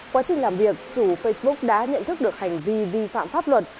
quá trình làm việc chủ facebook đã nhận thức được hành vi vi phạm pháp luật